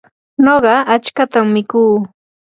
nuqa achkatam mikuu.